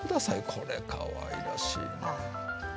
これかわいらしいね。